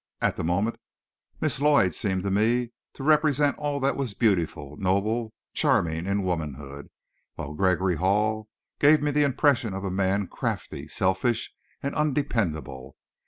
At the moment, Miss Lloyd seemed to me to represent all that was beautiful, noble and charming in womanhood, while Gregory Hall gave me the impression of a man crafty, selfish and undependable.